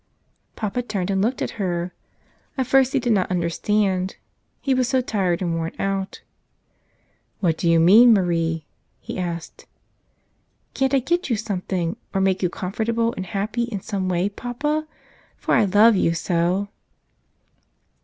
Papa turned and looked at her. At first he did not understand. He was so tired and worn out. "What do you mean, Marie?" he asked. "Can't I get you something, or make you comfort¬ able and happy in some way, papa? For I love you so."